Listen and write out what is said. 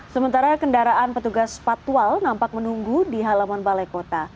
sementara kendaraan petugas patwal nampak menunggu di halaman balai kota